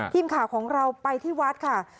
ทีมข่าวของเราไปที่วัดค่ะ